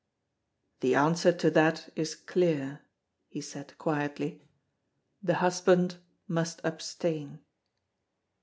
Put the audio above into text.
"The answer to that is clear," he said quietly: "The husband must abstain."